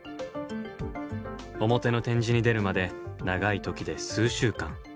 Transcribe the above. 表の展示に出るまで長い時で数週間。